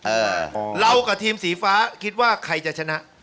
เออเรากับทีมสีฟ้าคิดว่าใครจะชนะ